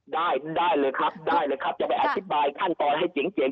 ได้ได้เลยครับจะไปอธิบายท่านต่อให้เจ๋งเจ๋ง